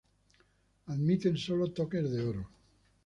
Admiten sólo toques de oro.